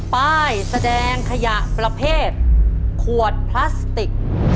ป้ายแสดงขยะประเภทขวดพลาสติก